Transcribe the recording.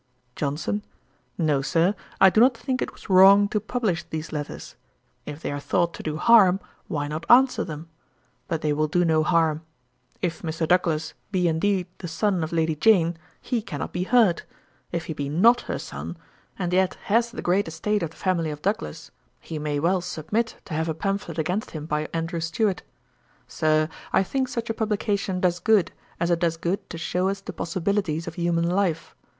JOHNSON. 'No, Sir, I do not think it was wrong to publish these letters. If they are thought to do harm, why not answer them? But they will do no harm; if Mr. Douglas be indeed the son of Lady Jane, he cannot be hurt: if he be not her son, and yet has the great estate of the family of Douglas, he may well submit to have a pamphlet against him by Andrew Stuart. Sir, I think such a publication does good, as it does good to show us the possibilities of human life.